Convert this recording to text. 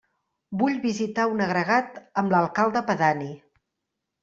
Vull visitar un agregat amb alcalde pedani.